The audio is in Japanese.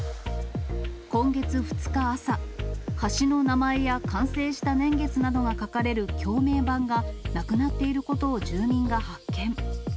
今月２日朝、橋の名前や完成した年月などが書かれる橋名板がなくなっていることを住民が発見。